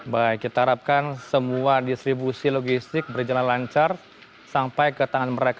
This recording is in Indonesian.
baik kita harapkan semua distribusi logistik berjalan lancar sampai ke tangan mereka